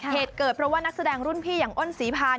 เหตุเกิดเพราะว่านักแสดงรุ่นพี่อย่างอ้นศรีพาน